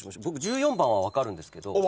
僕１４番は分かるんですけど。